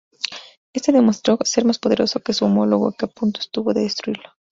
Éste demostró ser más poderoso que su homólogo, que a punto estuvo de destruirlo.